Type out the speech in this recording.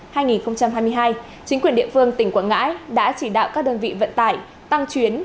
hành đán nhâm dần hai nghìn hai mươi hai chính quyền địa phương tỉnh quảng ngãi đã chỉ đạo các đơn vị vận tải tăng chuyến